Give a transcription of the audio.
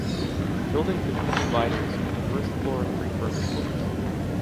Building between dividers, with a first floor and three further floors.